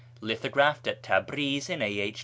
Lithographed at Tabriz in a.h.